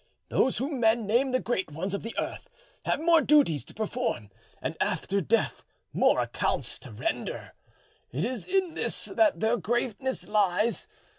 Those whom men name the great ones of the earth have more duties to perform, and after death more accounts to render: it is in this that their greatness lies.